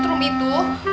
ya rumi gak nyumpahin abah